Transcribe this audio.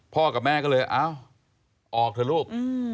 กับแม่ก็เลยเอ้าออกเถอะลูก